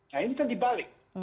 nah ini kan dibalik